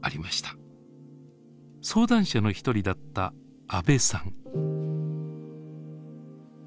相談者の一人だった阿部さん。